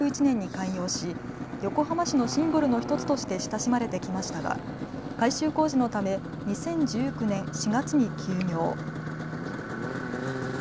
横浜マリンタワーは横浜開港１００周年を記念して１９６１年に開業し横浜市のシンボルの１つとして親しまれてきましたが改修工事のため２０１９年４月に休業。